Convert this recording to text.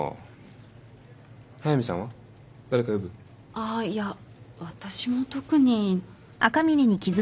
あっいや私も特に。